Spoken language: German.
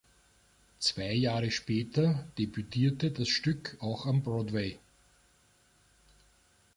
Zwei Jahre später debütierte das Stück auch am Broadway.